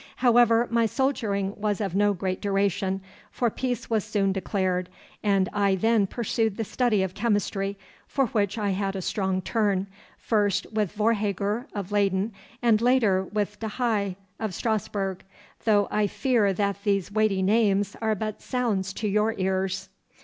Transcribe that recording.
However, my soldiering was of no great duration, for peace was soon declared, and I then pursued the study of chemistry, for which I had a strong turn, first with Vorhaager of Leyden, and later with De Huy of Strasburg, though I fear that these weighty names are but sounds to your ears.